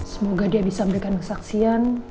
semoga dia bisa memberikan kesaksian